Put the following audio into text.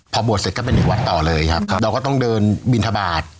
พอบวชเสร็จก็เป็นอีกวัดต่อเลยครับเราก็ต้องเดินบินทบาท